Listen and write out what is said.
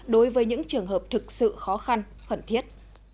đối với những trường hợp thực sự khó khăn khẩn thiết